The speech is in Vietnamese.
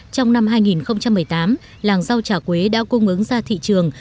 trong năm hai nghìn một mươi tám làng rau trà quế đã cung ứng ra thị trường